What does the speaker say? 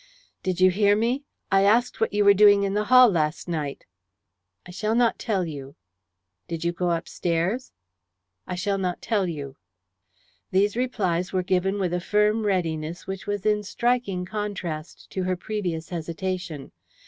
"Did you hear me? I asked what were you doing in the hall last night." "I shall not tell you." "Did you go upstairs?" "I shall not tell you." These replies were given with a firm readiness which was in striking contrast to her previous hesitation.